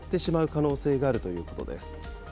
可能性があるということです。